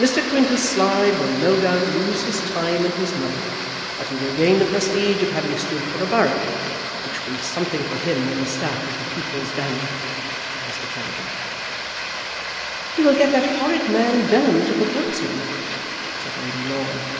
"Mr. Quintus Slide will no doubt lose his time and his money; but he will gain the prestige of having stood for a borough, which will be something for him on the staff of the People's Banner," said Mr. Kennedy. "He will get that horrid man Vellum to propose him," said Lady Laura.